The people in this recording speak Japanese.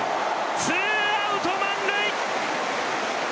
ツーアウト満塁！